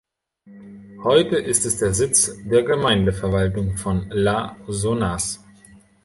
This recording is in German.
Heute ist es Sitz der Gemeindeverwaltung von La Sonnaz.